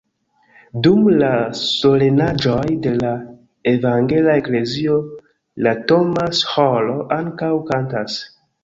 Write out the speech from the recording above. Dum la solenaĵoj de la evangela eklezio la Thomas-ĥoro ankaŭ kantas.